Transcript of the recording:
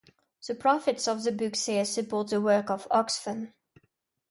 The profits of the book sales support the work of Oxfam.